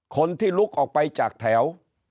คนที่ลุกออกไปจากแถว